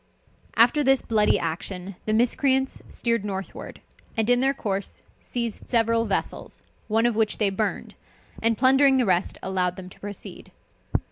_] After this bloody action, the miscreants steered northward, and in their course seized several vessels, one of which they burned, and plundering the rest, allowed them to proceed.